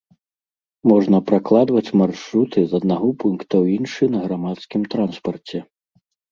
Можна пракладваць маршруты з аднаго пункта ў іншы на грамадскім транспарце.